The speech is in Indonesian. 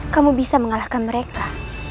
kamu bisa mengalahkan mereka